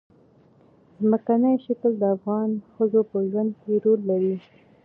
ځمکنی شکل د افغان ښځو په ژوند کې رول لري.